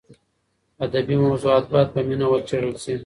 ادبي موضوعات باید په مینه وڅېړل شي.